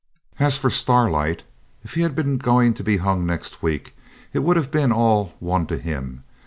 As for Starlight, if he'd been going to be hung next week it would have been all one to him.